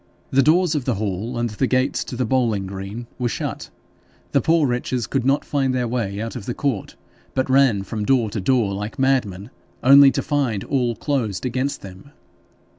The doors of the hall and the gates to the bowling green being shut, the poor wretches could not find their way out of the court, but ran from door to door like madmen, only to find all closed against them.